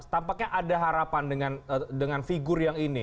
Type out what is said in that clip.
tampaknya ada harapan dengan figur yang ini